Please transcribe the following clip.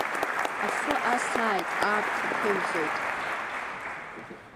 Афы асааит, аамҭа ԥырӡоит.